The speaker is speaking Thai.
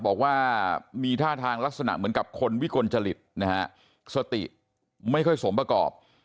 บอกว่ามีท่าทางลักษณะเหมือนกับคนวิกลจริตนะฮะสติไม่ค่อยสมประกอบ